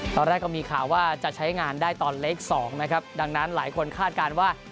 ก็มีข่าวว่าจะใช้งานได้ตอนเล็กสองนะครับดังนั้นหลายคนคาดการณ์ว่า